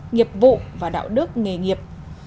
nghiệp vụ và đạo đức nghề nghiệp